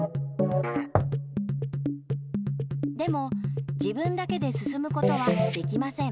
でも自分だけですすむことはできません。